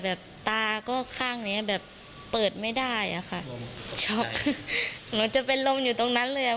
ตาก็ข้างเนี้ยแบบเปิดไม่ได้อะค่ะช็อกหนูจะเป็นลมอยู่ตรงนั้นเลยอ่ะ